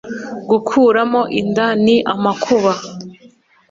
gukuramo inda ni amakuba